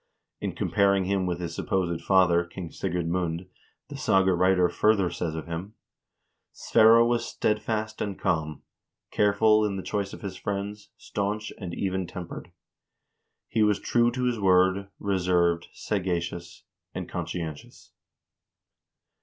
In comparing him with his supposed father, King Sigurd Mund, the saga writer further says of him :" Sverre was steadfast and calm, careful in the choice of his friends, staunch and even tempered. He was true to his word, reserved, sagacious, and conscientious."